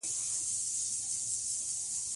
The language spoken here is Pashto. زما او د خلكو مثال داسي دئ لكه څوك چي اور بل كړي